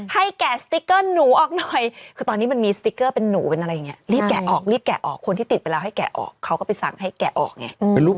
แกะสติ๊กเกอร์หนูออกหน่อยคือตอนนี้มันมีสติ๊กเกอร์เป็นหนูเป็นอะไรอย่างนี้รีบแกะออกรีบแกะออกคนที่ติดไปแล้วให้แกะออกเขาก็ไปสั่งให้แกะออกไง